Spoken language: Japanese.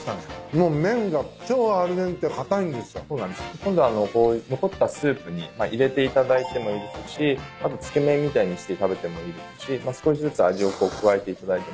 今度残ったスープに入れて頂いてもいいですしあとつけ麺みたいにして食べてもいいですし少しずつ味を加えていただいても。